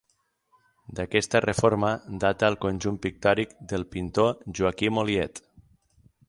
D'aquesta reforma data el conjunt pictòric del pintor Joaquim Oliet.